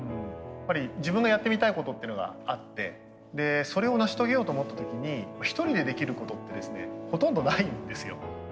やっぱり自分のやってみたいことっていうのがあってそれを成し遂げようと思った時に一人でできることってですねほとんどないんですよ。